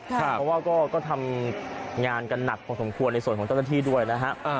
เพราะว่าก็ทำงานกันหนักพอสมควรในส่วนของเจ้าหน้าที่ด้วยนะฮะ